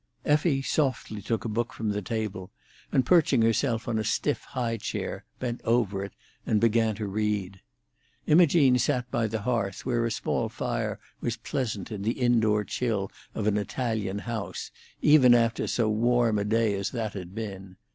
Effie softly took a book from the table, and perching herself on a stiff, high chair, bent over it and began to read. Imogene sat by the hearth, where a small fire was pleasant in the indoor chill of an Italian house, even after so warm a day as that had been.